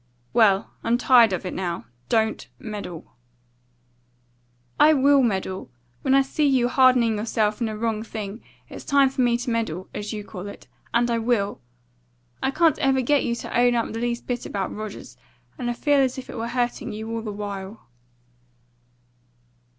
"Well, I'm tired of it now. Don't meddle." "I WILL meddle. When I see you hardening yourself in a wrong thing, it's time for me to meddle, as you call it, and I will. I can't ever get you to own up the least bit about Rogers, and I feel as if it was hurting you all the while."